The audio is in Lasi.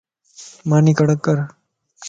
ماني ڪڙڪ ڪر